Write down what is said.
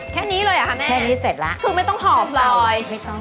แค่นี้เลยเหรอคะแม่แค่นี้เสร็จแล้วคือไม่ต้องหอมเลยไม่ต้อง